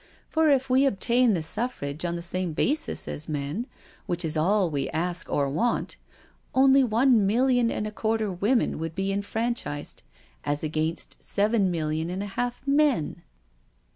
For if we obtain the suffrage on the same basis as men, which is all we ask or want, only one million and a quarter women would be enfranchised as against seven million and a half men.'